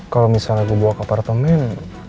kalau misalnya gue bawa ke apartemen